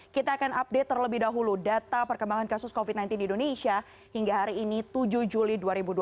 kita akan update terlebih dahulu data perkembangan kasus covid sembilan belas di indonesia hingga hari ini tujuh juli dua ribu dua puluh